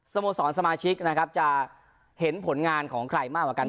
โมสรสมาชิกนะครับจะเห็นผลงานของใครมากกว่ากัน